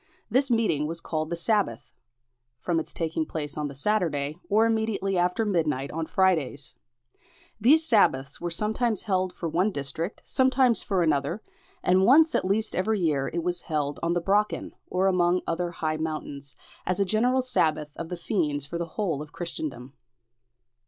This meeting was called the Sabbath, from its taking place on the Saturday, or immediately after midnight on Fridays. These sabbaths were sometimes held for one district, sometimes for another, and once at least every year it was held on the Brocken, or among other high mountains, as a general sabbath of the fiends for the whole of Christendom.